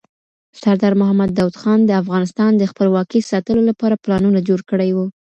سردار محمد داود خان د افغانستان د خپلواکۍ ساتلو لپاره پلانونه جوړ کړي وو.